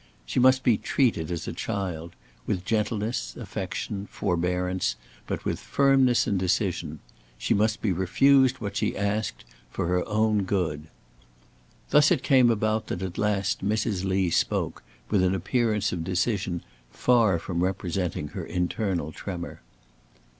She must be treated as a child; with gentleness, affection, forbearance, but with firmness and decision. She must be refused what she asked, for her own good. Thus it came about that at last Mrs. Lee spoke, with an appearance of decision far from representing her internal tremor.